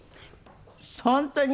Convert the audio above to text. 本当に？